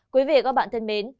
quý vị và các bạn thân mến